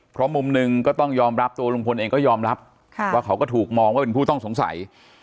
เพราะมุมหนึ่งก็ต้องยอมรับตัวลุงพลเองก็ยอมรับว่าเขาก็ถูกมองว่าเป็นผู้ต้องสงสัย